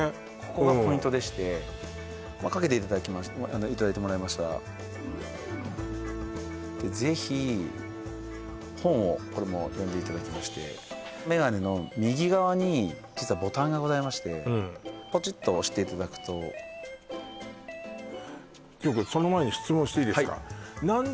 ここがポイントでしてかけていただいてもらいましたらぜひ本を読んでいただきましてメガネの右側に実はボタンがございましてポチッと押していただくとその前に質問していいですか？